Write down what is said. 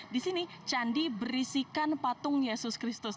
di sini candi berisikan patung yesus kristus